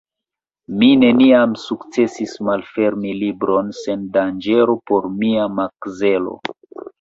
Mi neniam sukcesis malfermi libron sen danĝero por mia makzelo.